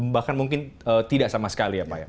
bahkan mungkin tidak sama sekali ya pak ya